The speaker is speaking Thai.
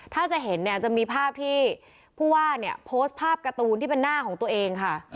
ถ้าจะเห็นเนี่ยจะมีภาพที่ผู้ว่าเนี่ยโพสต์ภาพการ์ตูนที่เป็นหน้าของตัวเองค่ะ